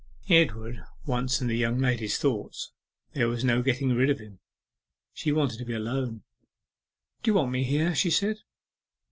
Edward once in the young lady's thoughts, there was no getting rid of him. She wanted to be alone. 'Do you want me here?' she said.